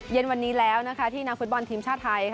เย็นวันนี้แล้วที่นักฟุตบอลทีมชาติไทย